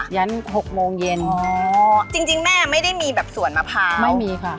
งั้น๖โมงเย็นอ๋อจริงจริงแม่ไม่ได้มีแบบสวนมะพร้าวไม่มีค่ะ